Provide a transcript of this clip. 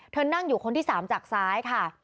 นั่งอยู่คนที่๓จากซ้ายค่ะ